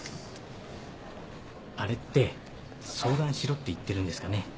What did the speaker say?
あれって相談しろって言ってるんですかね？